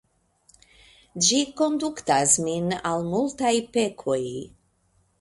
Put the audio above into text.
Ĝi konduktas min al multaj pekoj.